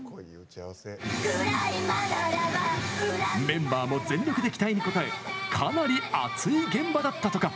メンバーも全力で期待に応えかなり熱い現場だったとか。